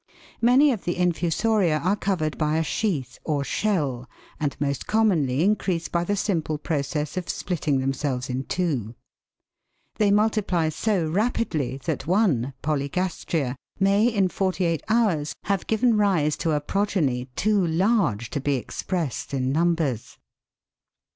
Many of the Infu soria are covered by a sheath or shell, and most commonly in crease by the simple process of splitting themselves in two. They multiply so rapidly that one (Polygastria) may in forty eight hours have given rise to a progeny too large .to be expressed in numbers.